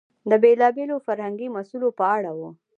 د بېلابېلو فرهنګي مسئلو په اړه و.